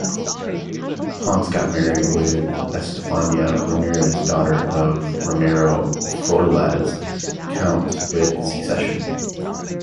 Ponce got married with Estefania Ramirez, daughter of Ramiro Froilaz count with succession.